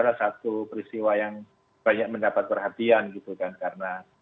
ya tentu ini adalah satu peristiwa yang banyak mendapat perhatian gitu kan karena